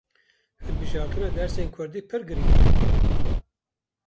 Hilbijartina dersên kurdî pir giring e.